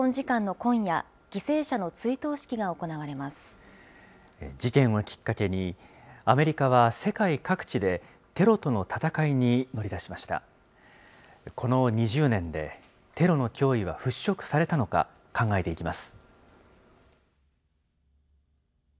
この２０年で、テロの脅威は払拭されたのか考えていきます。